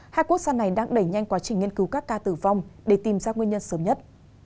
hai quốc gia này đang đẩy nhanh quá trình nghiên cứu các ca tử vong để tìm ra nguyên nhân sớm nhất